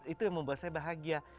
itu yang membuat saya bahagia